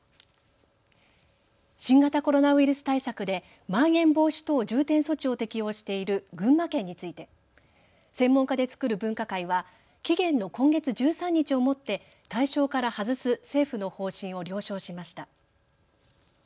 新型コロナウイルス対策でまん延防止等重点措置を適用している群馬県について専門家で作る分科会は期限の今月１３日をもって対象から外す政府の方針を了承しました。